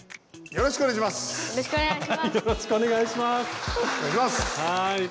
よろしくお願いします。